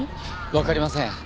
わかりません。